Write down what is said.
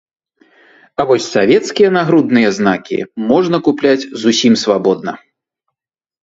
А вось савецкія нагрудныя знакі можна купляць зусім свабодна.